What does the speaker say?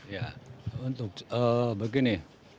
ya untuk begini